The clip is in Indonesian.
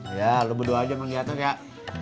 iya lu berdua aja menggiatnya kak